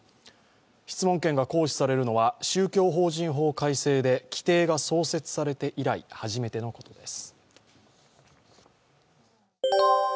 質問権が行使されるのは宗教法人法改正で規定が創設されて以来、初めてのことです。